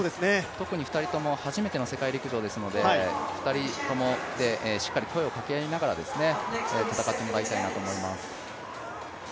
特に２人とも初めての世界陸上ですので２人ともしっかり声を掛け合いながら戦ってもらいたいなと思います。